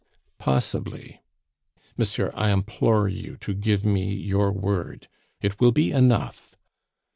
"Possibly." "Monsieur, I implore you to give me your word; it will be enough."